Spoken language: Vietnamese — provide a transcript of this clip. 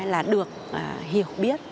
là được hiểu biết